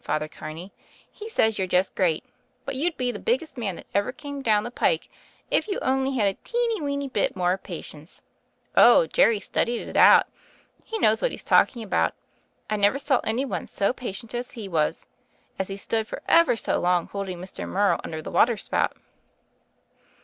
Father Carney. He says you're just great, but you'd be the biggest man that ever came down the pike, if you only had a teeny weeny bit more of patience. Oh, J erry's studied it out. He knows what he's talking about. I never saw any one so patient as he was, as he stood for ever so long, holding Mr. Morrow under the water spout."